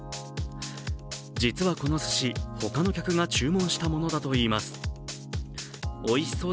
実はこのすし、他の客が注文したものだといいます。